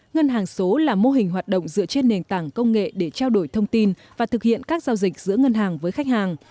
ngân hàng số là mô hình hoạt động dựa trên nền tảng công nghệ để trao đổi thông tin và thực hiện các giao dịch giữa ngân hàng với khách hàng